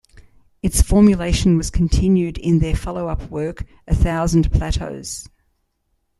Its formulation was continued in their follow-up work, "A Thousand Plateaus".